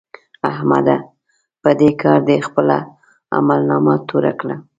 احمده! په دې کار دې خپله عملنامه توره کړه.